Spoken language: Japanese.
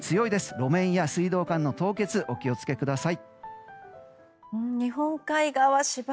路面や水道管の凍結にお気を付けください。